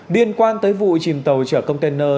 điên quan tới vụ chìm tàu trở container